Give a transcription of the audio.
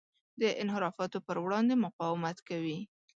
د انحرافاتو پر وړاندې مقاومت کوي.